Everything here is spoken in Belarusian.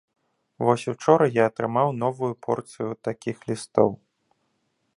Вось учора я атрымаў новую порцыю такіх лістоў.